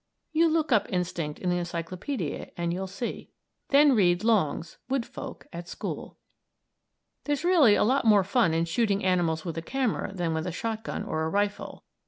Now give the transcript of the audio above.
You look up "instinct" in the encyclopædia, and you'll see. Then read Long's "Wood Folk at School." There's really a lot more fun in shooting animals with a camera than with a shotgun or a rifle.